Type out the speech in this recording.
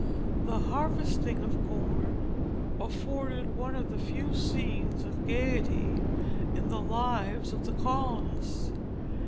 The harvesting of the corn afforded one of the few scenes of gayety in the lives of the colonists.